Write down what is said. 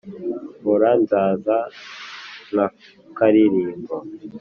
hora nzaza nk'akaririmbo